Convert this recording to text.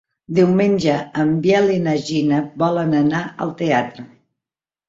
Diumenge en Biel i na Gina volen anar al teatre.